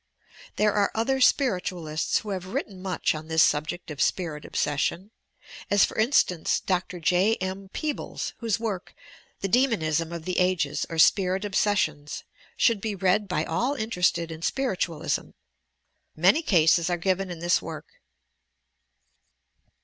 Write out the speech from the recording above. There are other Spiritualists who have written much on this subject of spirit obsession, as for instance, Dr. J. M. Peebles, whose work "The Demonism of the Ages or Spirit Obsessions" should be read by all interested in Spiritualism, itlany cases are given in this work.